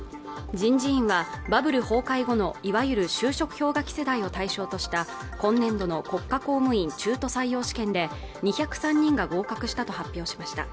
人事院はバブル崩壊後のいわゆる就職氷河期世代を対象とした今年度の国家公務員中途採用試験で２０３人が合格したと発表しました